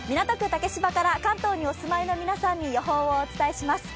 竹芝から関東にお住まいの皆さんに予報をお伝えします。